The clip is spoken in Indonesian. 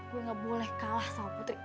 gue gak boleh kalah sama putri